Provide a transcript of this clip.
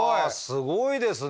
すごいですね。